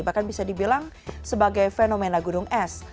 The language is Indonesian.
bahkan bisa dibilang sebagai fenomena gunung es